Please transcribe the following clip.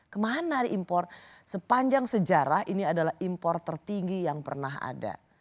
kemana diimpor sepanjang sejarah ini adalah impor tertinggi yang pernah ada